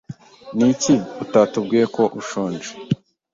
Niki utatubwiye ko ushonje?